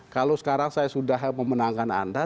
kalau sekarang saya sudah memenangkan anda